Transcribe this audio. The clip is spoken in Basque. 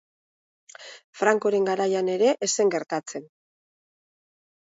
Francoren garaian ere ez zen gertatzen.